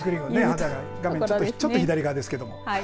画面ちょっと左側ですけれども。